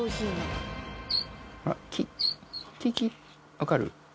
分かる？